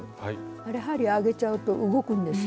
あれ針上げちゃうと動くんですよね。